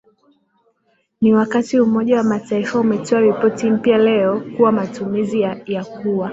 ni wakati Umoja wa mataifa umetoa ripoti mpya leo kuwa matumizi yaKuwa